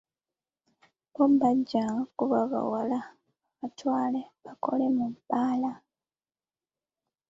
Bo bajjanga kuba bawala, babatwale, bakole mu bbaala.